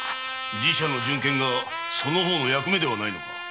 寺社の巡見がその方の役目ではないのか。